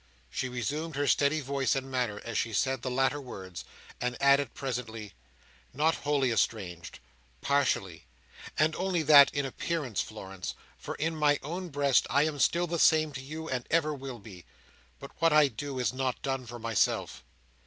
She resumed her steady voice and manner as she said the latter words, and added presently: "Not wholly estranged. Partially: and only that, in appearance, Florence, for in my own breast I am still the same to you, and ever will be. But what I do is not done for myself."